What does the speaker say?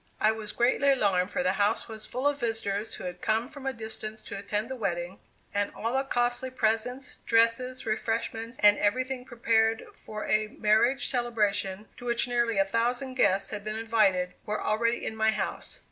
I was greatly alarmed, for the house was full of visitors who had come from a distance to attend the wedding, and all the costly presents, dresses, refreshments, and everything prepared for a marriage celebration to which nearly a thousand guests had been invited, were already in my house.